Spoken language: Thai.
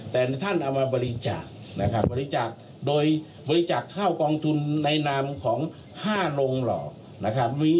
แต่ท่านเอามาบริจาคนะครับบริจาคโดยบริจาคเข้ากองทุนในนามของ๕โรงหล่อนะครับ